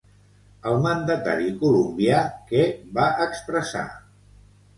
El mandatari colombià, què va expressar?